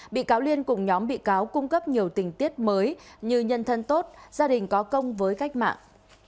bị cáo liên cùng nhóm bị cáo cung cấp nhiều tình tiết mới như nhân thân tốt gia đình có công với cách mạng